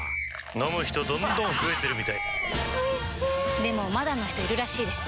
飲む人どんどん増えてるみたいおいしでもまだの人いるらしいですよ